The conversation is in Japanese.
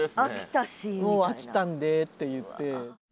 もう飽きたんでっていって。